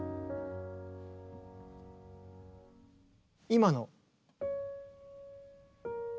今の。